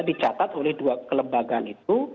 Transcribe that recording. dicatat oleh dua kelembagaan itu